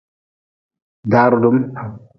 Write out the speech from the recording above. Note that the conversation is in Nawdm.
Da rudm.